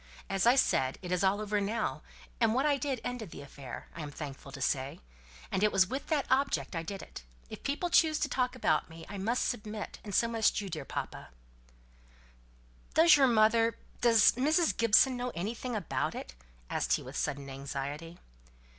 As I said, it's all over now; what I did ended the affair, I am thankful to say; and it was with that object I did it. If people choose to talk about me, I must submit; and so must you, dear papa." "Does your mother does Mrs. Gibson know anything about it?" asked he with sudden anxiety.